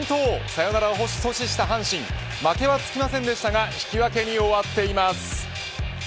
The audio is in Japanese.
サヨナラを阻止した阪神負けはつきませんでしたが引き分けに終わっています。